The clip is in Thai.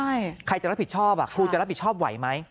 เกิดหัวฟากใครจะรับผิดชอบครูจะรับผิดชอบไหม